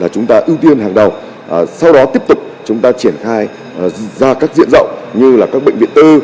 chúng ta ưu tiên hàng đầu sau đó tiếp tục chúng ta triển khai ra các diện rộng như là các bệnh viện tư